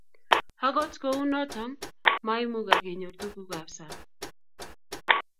agot ko u noton maimungak kenyor tuguk ab sang.